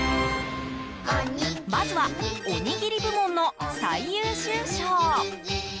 まずはおにぎり部門の最優秀賞。